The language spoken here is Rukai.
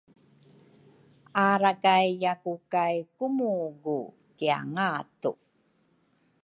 arakayaku kay kumugu kiangatu.